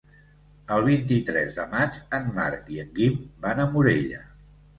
El vint-i-tres de maig en Marc i en Guim van a Morella.